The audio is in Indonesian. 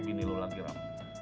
bini lu lagi ram